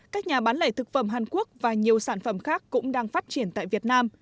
các nhà bán lẻ thực phẩm hàn quốc và nhiều sản phẩm khác cũng đang phát triển tại việt nam